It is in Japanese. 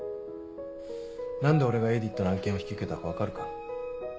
何で俺がエイディットの案件を引き受けたか分かるか？